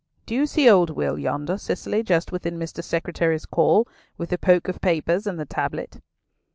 Do you see old Will yonder, Cicely, just within Mr. Secretary's call—with the poke of papers and the tablet?"